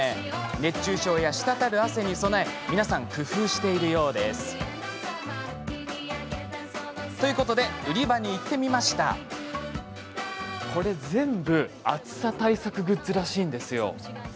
熱中症や滴る汗に備え皆さん工夫しているようです。ということで売り場に行ってみるとこれ全部暑さ対策グッズらしいんですよ。